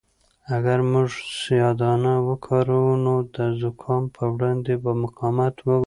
اگر موږ سیاه دانه وکاروو نو د زکام په وړاندې به مقاومت ولرو.